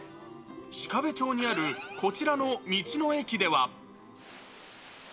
鹿部町にあるこちらの道の駅では。